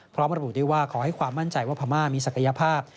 พร้อมระบุด้วยว่าขอให้ความมั่นใจว่าพม่ามีศักยภาพ